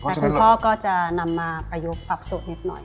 แต่คุณพ่อก็จะนำมาประยุกต์ปรับสูตรนิดหน่อย